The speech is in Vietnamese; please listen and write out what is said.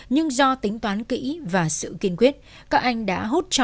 nhưng do tính toán kỹ và sự kiên quyết các anh đã hút trọ một ổ nhóm tội phạm